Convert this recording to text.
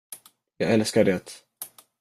Jag älskar det.